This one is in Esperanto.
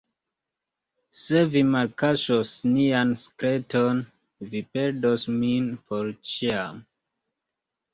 Se vi malkaŝos nian sekreton, vi perdos min por ĉiam.